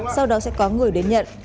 sau đó sẽ có người đến nhận